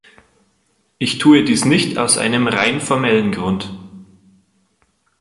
Ich tue dies nicht aus einem rein formellen Grund.